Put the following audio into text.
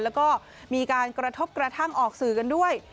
แล้วก็มีการกระทบกระทั่งออกสื่อกันด้วย